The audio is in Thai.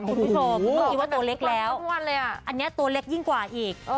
คุณผู้ชมตัวเล็กแล้วอันนี้ตัวเล็กยิ่งกว่าอีกเออ